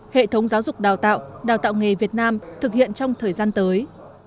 hệ thống giáo dục đào tạo đào tạo nghề việt nam thực hiện trong thời gian tới